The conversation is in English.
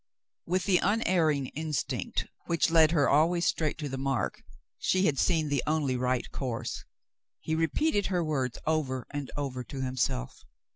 With the unerring instinct which led her always straight to the mark, she had seen the only right course. He repeated her words over and over to himself.